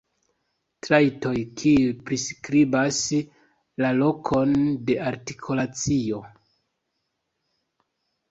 Trajtoj kiuj priskribas la lokon de artikulacio.